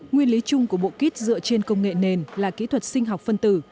nguyên lý chung của bộ kit dựa trên công nghệ nền là kỹ thuật sinh học phân tử